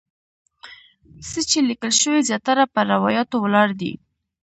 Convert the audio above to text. څه چې لیکل شوي زیاتره پر روایاتو ولاړ دي.